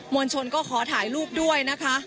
วลชนก็ขอถ่ายรูปด้วยนะคะ